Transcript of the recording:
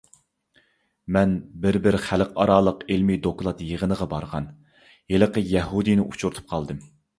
مەن بىر بىر خەلقئارالىق ئىلمىي دوكلات يىغىنىغا بارغاندا، ھېلىقى يەھۇدىينى ئۇچۇرتۇپ قالدىم.